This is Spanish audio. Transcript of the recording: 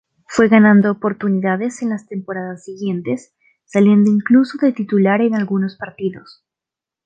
Fue ganando oportunidades en las temporadas siguientes, saliendo incluso de titular en algunos partidos.